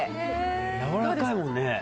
やわらかいもんね。